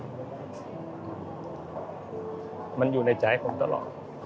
มันนี่มันอยู่ในใจของตลอด